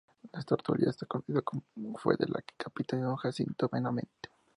La tertulia más conocida fue la que capitaneó Jacinto Benavente.